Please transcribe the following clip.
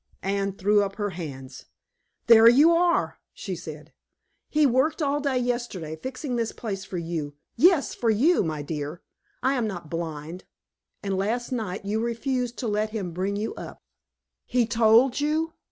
Anne threw up her hands. "There you are!" she said. "He worked all day yesterday fixing this place for you yes, for you, my dear. I am not blind and last night you refused to let him bring you up." "He told you!"